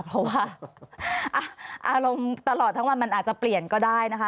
เพราะว่าอารมณ์ตลอดทั้งวันมันอาจจะเปลี่ยนก็ได้นะคะ